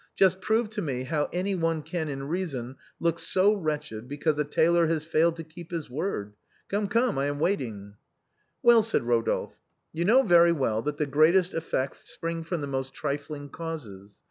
Just prove to me how any one can in reason look so wretched because a tailor has failed to keep his word. Come, come, I am waiting." " Well," said Rodolphe, " you kn£>w very well that the greatest effects spring from the most trifling causes.